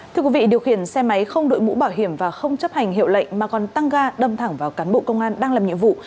thưa quý vị điều khiển xe máy không đội mũ bảo hiểm và không chấp hành hiệu lệnh mà còn tăng ga đâm thẳng vào cán bộ công an đang làm nhiệm vụ